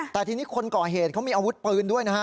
แต่ทีนี้คนก่อเหตุเขามีอาวุธปืนด้วยนะฮะ